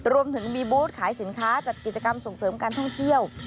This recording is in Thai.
รวมถึงมีบูธขายสินค้าจัดกิจกรรมส่งเสริมการท่องเที่ยว